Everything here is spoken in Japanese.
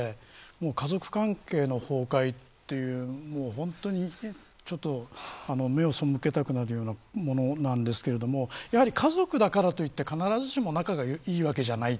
家族関係の崩壊という目を背けたくなるようなものなんですが家族だからといって必ずしも仲がいいわけじゃない。